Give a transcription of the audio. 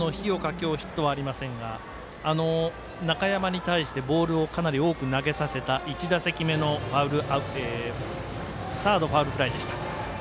今日ヒットはありませんが中山に対してボールをかなり多く投げさせた１打席目のサードファウルフライでした。